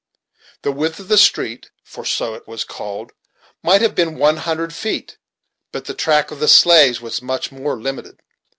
The width of the street, for so it was called, might have been one hundred feet; but the track for the sleighs was much more limited.